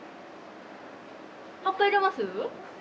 葉っぱ入れます？